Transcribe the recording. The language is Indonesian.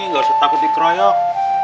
ga usah takut dikeroyok